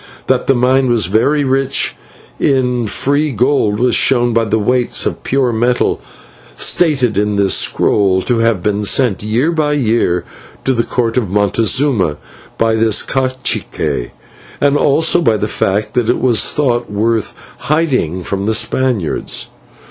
That the mine was very rich in free gold was shown by the weights of pure metal stated in this scroll to have been sent year by year to the Court of Montezuma by this /cacique/, and also by the fact that it was thought worth hiding from the Spaniards.